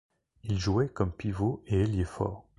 Il jouait comme pivot et ailier fort.